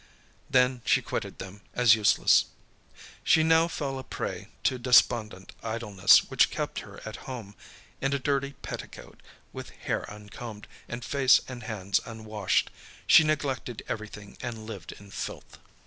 Then, she quitted them as useless. She now fell a prey to despondent idleness which kept her at home, in a dirty petticoat, with hair uncombed, and face and hands unwashed. She neglected everything and lived in filth.